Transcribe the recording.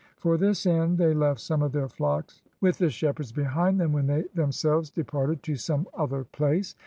For this end they left some of their flocks with the shepherds behind them when they themselves de parted to some other place.